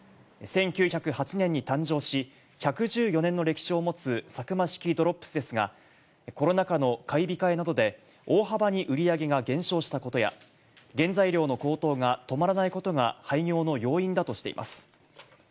１９０８年に誕生し、１１４年の歴史を持つサクマ式ドロップスですが、コロナ禍の買い控えなどで、大幅に売り上げが減少したことや、原材料の高騰が止まらないことが廃業の要因だとしています。